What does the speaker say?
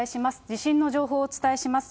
地震の情報をお伝えします。